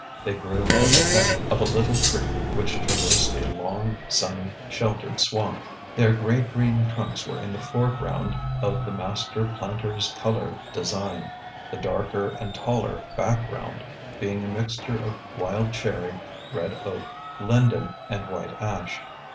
They grew at the head of a little creek which traversed a long, sunny, sheltered swamp. Their gray green trunks were in the foreground of the Master Planter's color design, the darker and taller background being a mixture of wild cherry, red oak, linden, and white ash.